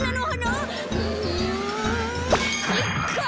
うんかいか！